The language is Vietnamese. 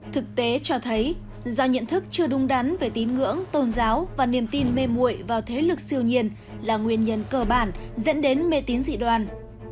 thực tế cho thấy do nhận thức chưa đúng đắn về tín ngưỡng tôn giáo và niềm tin mê mụi vào thế lực siêu nhiên là nguyên nhân cơ bản dẫn đến mê tín dị đoàn